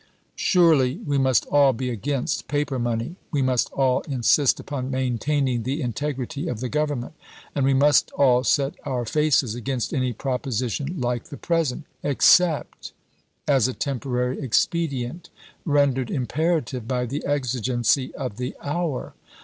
Surely, we must all be against paper money, we must all insist upon maintaining the integrity of the Government ; and we must all set our faces against any proposition like the present, except as a temporary expedient, rendered imperative by the exigency of the hour.